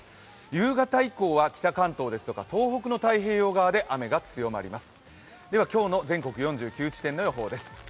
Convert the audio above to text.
夕方以降は北関東ですとか東北の太平洋側で雨が強まります。